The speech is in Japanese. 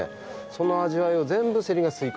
その味わいを全部セリが吸い込んでですね